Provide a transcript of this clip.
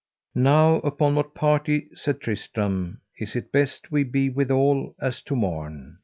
Now upon what party, said Tristram, is it best we be withal as to morn?